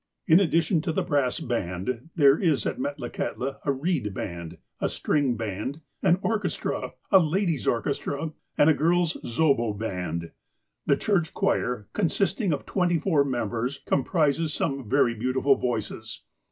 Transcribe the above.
In addition to the brass band, there is at Metlakahtla a reed band, a string band, an orchestra, a ladies' orchestra, and a girls' zobo band. The church choir, consisting of twenty four members, comprises some very beautiful voices.